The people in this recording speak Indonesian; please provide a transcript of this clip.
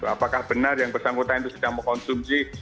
apakah benar yang bersangkutan itu sedang mengkonsumsi